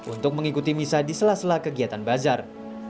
untuk mengikuti misa di sela sela kegiatan bazar